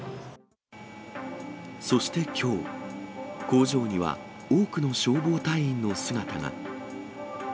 そしてきょう、工場には多くの消防隊員の姿が。